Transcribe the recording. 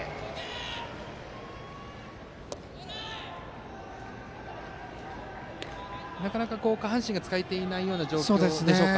田中はなかなか下半身が使えていないような状況でしょうか。